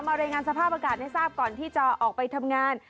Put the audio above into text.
รายงานสภาพอากาศให้ทราบก่อนที่จะออกไปทำงาน